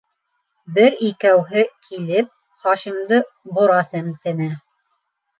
— Бер-икәүһе килеп, Хашимды бора семтене.